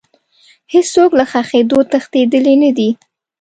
هیڅ څوک له ښخېدو تښتېدلی نه دی.